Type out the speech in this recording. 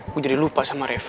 aku jadi lupa sama reva